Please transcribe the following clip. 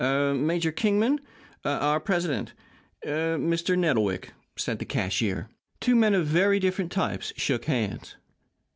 "Er Major Kingman, our president er Mr. Nettlewick," said the cashier. Two men of very different types shook hands.